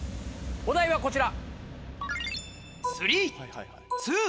お題はこちら。